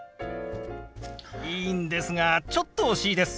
いいんですがちょっと惜しいです。